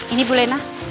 ini bu lena